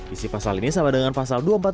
isi pasal ini sama dengan hasil hitung cepat